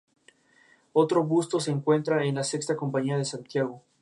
Estos lanzamientos fueron cubiertas por muchas compañías discográficas y eran de muchos países.